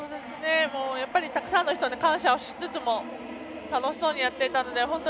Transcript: やっぱりたくさんの人に感謝をしつつも楽しそうにやっていたので。